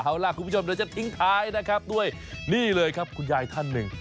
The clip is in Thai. เอาล่ะคุณผู้ชมเดี๋ยวจะทิ้งท้ายนะครับด้วยนี่เลยครับคุณยายท่านหนึ่ง